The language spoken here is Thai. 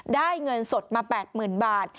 ได้เงินสดมา๘๐๐๐๐บาท